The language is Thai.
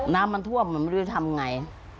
น้ำมันท่วมมันไม่ได้ทำอย่างไร